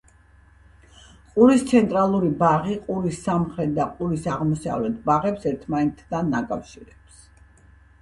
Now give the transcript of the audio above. ყურის ცენტრალური ბაღი ყურის სამხრეთ და ყურის აღმოსავლეთ ბაღებს ერთმანეთთან აკავშირებს.